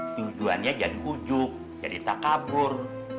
tujuannya jadi ujuk jadi tak kabur